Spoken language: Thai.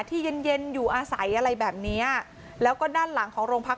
ที่เย็นเย็นอยู่อาศัยอะไรแบบเนี้ยแล้วก็ด้านหลังของโรงพัก